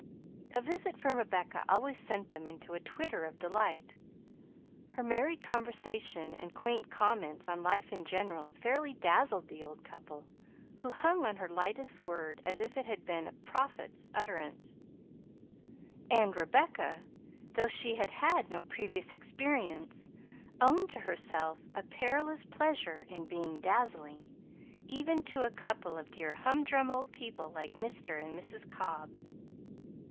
A visit from Rebecca always sent them into a twitter of delight. Her merry conversation and quaint comments on life in general fairly dazzled the old couple, who hung on her lightest word as if it had been a prophet's utterance; and Rebecca, though she had had no previous experience, owned to herself a perilous pleasure in being dazzling, even to a couple of dear humdrum old people like Mr. and Mrs. Cobb.